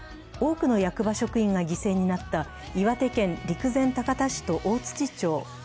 多くの役場職員が犠牲になった岩手県陸前高田市と大槌町。